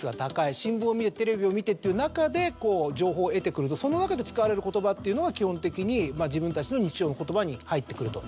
新聞を見てテレビを見てという中で情報を得てくるとその中で使われる言葉がっていうのが基本的に自分たちの日常の言葉に入ってくると。